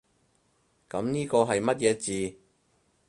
噉呢個係乜嘢字？